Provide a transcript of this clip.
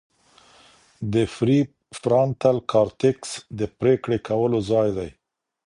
د پریفرانټل کارټېکس د پرېکړې کولو ځای دی.